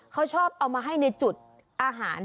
เขาชอบเอามาให้ในจุดอาหาร